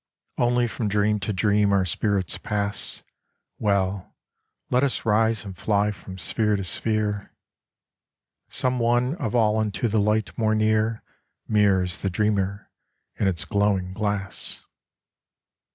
Only from dream to dream our spirits pass : Well, let us rise and fly from sphere to sphere ; Some one of all unto the light more near Mirrors the Dreamer in its glowing glass.